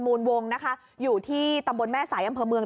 มูลวงนะคะอยู่ที่ตำบลแม่สายอำเภอเมือง